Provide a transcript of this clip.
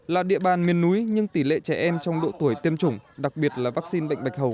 là địa bàn miền núi nhưng tỷ lệ trẻ em trong độ tuổi tiêm chủng đặc biệt là vaccine bệnh bạch hầu